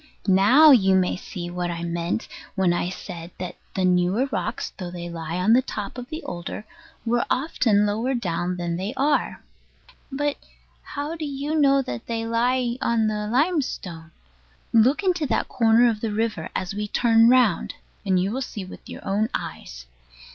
Now you may see what I meant when I said that the newer rocks, though they lie on the top of the older, were often lower down than they are. But how do you know that they lie on the limestone? Look into that corner of the river, as we turn round, and you will see with your own eyes.